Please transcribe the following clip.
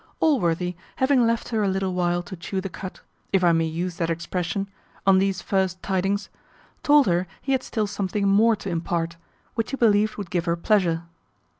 Allworthy, having left her a little while to chew the cud (if I may use that expression) on these first tidings, told her he had still something more to impart, which he believed would give her pleasure.